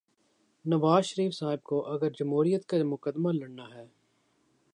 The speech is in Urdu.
نواز شریف صاحب کو اگر جمہوریت کا مقدمہ لڑنا ہے۔